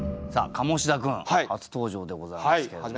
カモシダ君初登場でございますけれども。